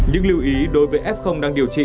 những lưu ý đối với f đang điều trị